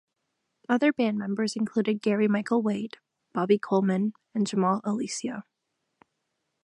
Other band members included Gary Michael Wade, Bobby Coleman and Jamal Alicea.